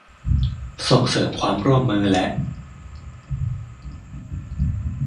ส่งเสริมความร่วมมือและ